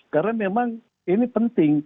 karena memang ini penting